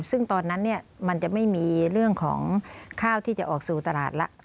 ซึ่งตอนนั้นมันจะไม่มีเรื่องของข้าวที่จะออกสู่ตลาดแล้ว